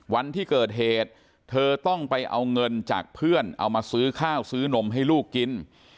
วันที่เกิดเหตุเธอต้องไปเอาเงินจากเพื่อนเอามาซื้อข้าวซื้อนมให้ลูกกิน